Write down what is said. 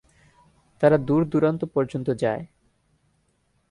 তারা দূর-দূরান্ত পর্যন্ত যায়।